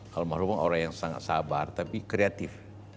kalau mahrumah orang yang sangat sabar tapi kreatif